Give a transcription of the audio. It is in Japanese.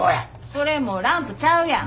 それもうランプちゃうやん。